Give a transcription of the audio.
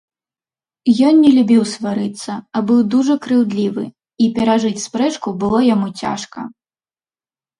Ён не любіў сварыцца, а быў дужа крыўдлівы, і перажыць спрэчку было яму цяжка.